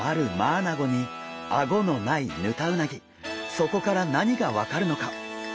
そこから何が分かるのか？